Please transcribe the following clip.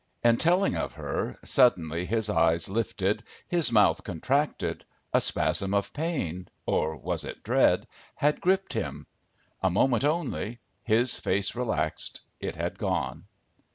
In telling of her, suddenly his eyes lifted, his mouth contracted, a spasm of pain or was it dread? had gripped him. A moment only. His face relaxed. It had gone.